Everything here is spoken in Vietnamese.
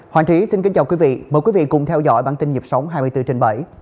hoàng trí xin kính chào quý vị mời quý vị cùng theo dõi bản tin nhịp sống hai mươi bốn trên bảy